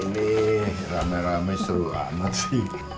ada apa ini rame rame seru amat sih